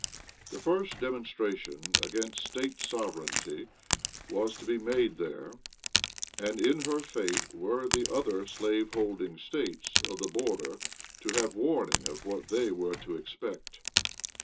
The first demonstration against State sovereignty was to be made there, and in her fate were the other slaveholding States of the border to have warning of what they were to expect.